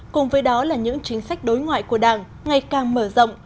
cùng với đó là những chính sách đối ngoại của đảng ngày càng mở rộng